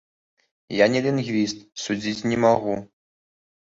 Я не лінгвіст, судзіць не магу.